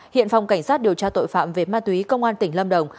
hiện phòng cảnh sát điều tra tội phạm về ma túy công an tỉnh lâm đồng